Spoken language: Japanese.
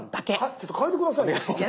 ちょっと変えて下さいよ。